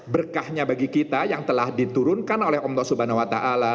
berkahnya bagi kita yang telah diturunkan oleh umroh subhanahu wa ta'ala